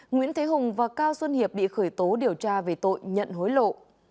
nguyễn thế hùng và cao xuân hiệp bị khởi tố điều tra về tội nhận hối lộ